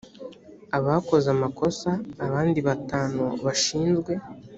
abakoze amakosa abandi batanu bashinzwe